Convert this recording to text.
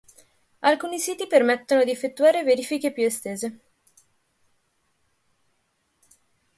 Alcuni siti permettono di effettuare verifiche più estese.